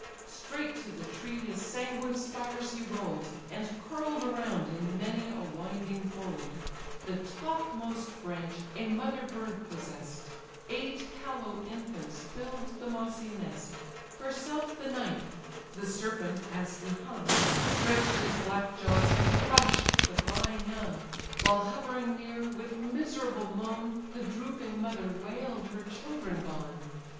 Straight to the tree his sanguine spires he roll'd, And curl'd around in many a winding fold; The topmost branch a mother bird possess'd; Eight callow infants fill'd the mossy nest; Herself the ninth; the serpent, as he hung, Stretch'd his black jaws and crush'd the crying young; While hovering near, with miserable moan, The drooping mother wail'd her children gone.